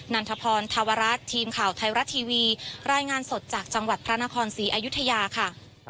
ันทพรธวรัฐทีมข่าวไทยรัฐทีวีรายงานสดจากจังหวัดพระนครศรีอยุธยาค่ะ